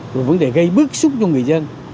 rồi vấn đề gây bức xúc cho người dân